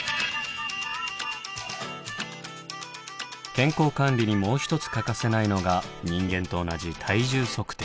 健康管理にもう一つ欠かせないのが人間と同じ体重測定。